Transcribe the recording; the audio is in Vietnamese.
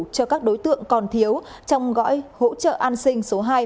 cho các đối tượng còn thiếu trong gói hỗ trợ an sinh số hai